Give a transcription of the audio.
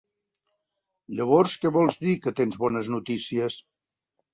Llavors que vols dir que tens bones notícies?